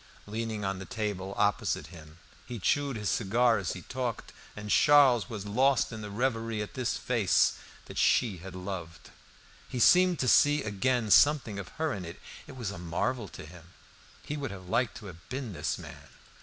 Leaning on the table opposite him, he chewed his cigar as he talked, and Charles was lost in reverie at this face that she had loved. He seemed to see again something of her in it. It was a marvel to him. He would have liked to have been this man.